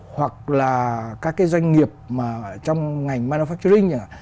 hoặc là các doanh nghiệp trong ngành manufacturing